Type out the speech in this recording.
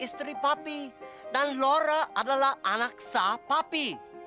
dia adalah istri papi dan laura adalah anak sah papi